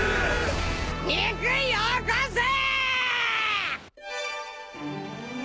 肉よこせ！！